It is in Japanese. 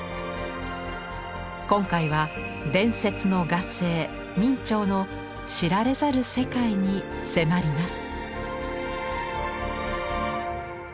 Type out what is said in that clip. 今回は伝説の画聖・明兆の知られざる世界に迫ります。